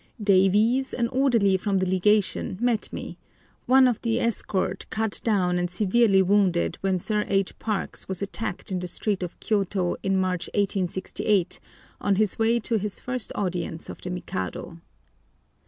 Davies, an orderly from the Legation, met me,—one of the escort cut down and severely wounded when Sir H. Parkes was attacked in the street of Kiyôto in March 1868 on his way to his first audience of the Mikado.